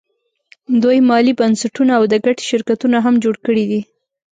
دوی مالي بنسټونه او د ګټې شرکتونه هم جوړ کړي دي